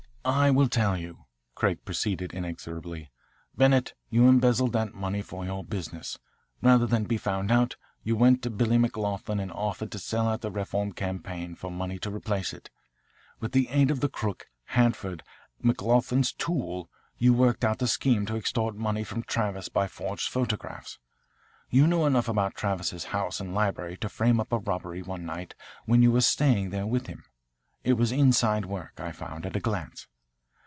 "I will tell you," Craig proceeded inexorably. "Bennett, you embezzled that money for your business. Rather than be found out, you went to Billy McLoughlin and offered to sell out the Reform campaign for money to replace it. With the aid of the crook, Hanford, McLoughlin's tool, you worked out the scheme to extort money from Travis by forged photographs. You knew enough about Travis's house and library to frame up a robbery one night when you were staying there with him. It was inside work, I found, at a glance.